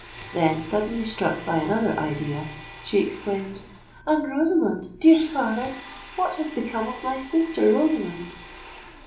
"—then, suddenly struck by another idea, she exclaimed, "And Rosamond, dear father—what has become of my sister Rosamond?"